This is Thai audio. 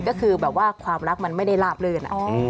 ก็คือแบบว่าความรักมันไม่ได้ลาบลื่น